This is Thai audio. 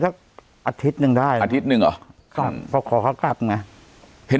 ใช่ไหมขอพอเขาก็ขอกลับไหน